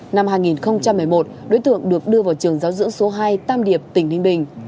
năm hai nghìn một mươi một đối tượng được đưa vào trường giáo dưỡng số hai tam điệp tỉnh ninh bình